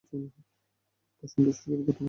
পসামদের স্বর্গের কথা বলো।